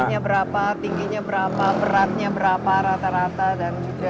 harganya berapa tingginya berapa beratnya berapa rata rata dan juga